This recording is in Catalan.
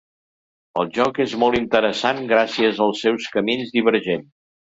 El joc és molt interessant gràcies als seus camins divergents.